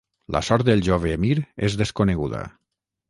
La sort del jove emir és desconeguda.